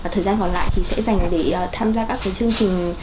thời gian còn lại thì sẽ dành để tham gia các chương trình